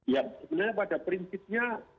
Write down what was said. ya sebenarnya pada prinsipnya